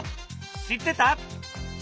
知ってた？